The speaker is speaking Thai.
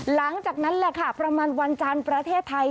หลังจากนั้นแหละค่ะประมาณวันจันทร์ประเทศไทย